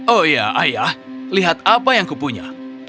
oh iya ayah lihat apa yang kupunya